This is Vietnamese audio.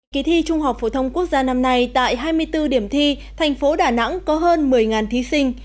kỳ thi trung học phổ thông quốc gia năm nay tại hai mươi bốn điểm thi thành phố đà nẵng có hơn một mươi thí sinh